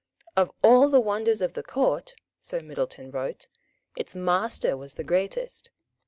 Of all the wonders of the Court, so Middleton wrote, its master was the greatest.